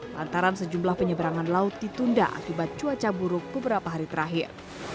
lantaran sejumlah penyeberangan laut ditunda akibat cuaca buruk beberapa hari terakhir